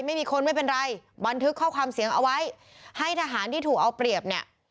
ไม่มีคนไม่เป็นไรบันทึกข้อความเสียงเอาไว้ให้ทหารที่ถูกเอาเปรียบเนี่ย